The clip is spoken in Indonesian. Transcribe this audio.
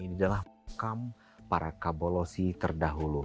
ini adalah makam para kabolosi terdahulu